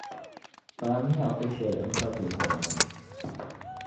Kpaami ya ko’shɛli m-pa ti zuɣu na.